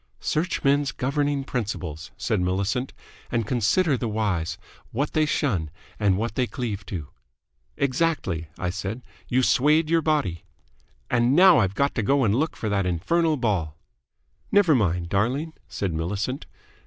"Search men's governing principles," said Millicent, "and consider the wise, what they shun and what they cleave to." "Exactly," I said. "You swayed your body." "And now I've got to go and look for that infernal ball." "Never mind, darling," said Millicent.